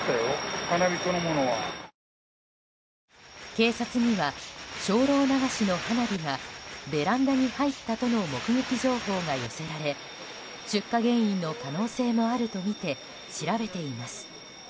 警察には精霊流しの花火がベランダに入ったとの目撃情報が寄せられ出火原因の可能性もあるとみて調べています。